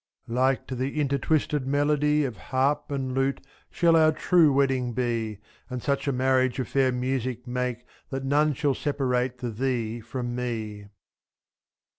Like to the intertwisted melody Of harp and lute shall our true wedding be, 5^ And such a marriage of fair music make That none shall separate the Thee from Me.